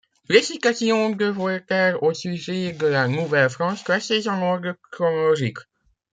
Les citations de Voltaire au sujet de la Nouvelle-France, classées en ordre chronologique.